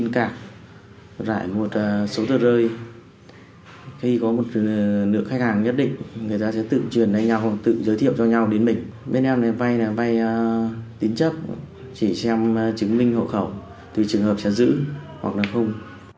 chỉ xem chứng minh hộ khẩu từ trường hợp trả giữ hoặc là không